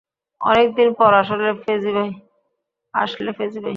অনেক দিন পর আসলে ফেজি ভাই।